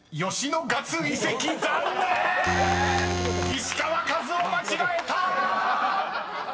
［石川和男間違えた！］